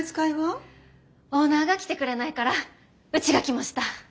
オーナーが来てくれないからうちが来ました。